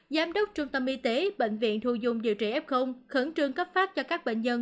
giám đốc trung tâm y tế bệnh viện thu dung điều trị f khẩn trương cấp phát cho các bệnh nhân